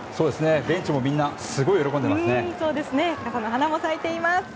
ベンチもみんなすごい喜んでいますね。